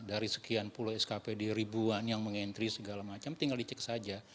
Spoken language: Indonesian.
dari sekian puluh skpd ribuan yang meng entry segala macam tinggal dicek saja